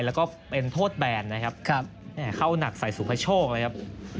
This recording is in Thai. แล้วก็เป็นโทษแบนนะครับเข้าหนักใส่สุภาโชคเลยครับ